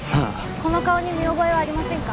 この顔に見覚えはありませんか？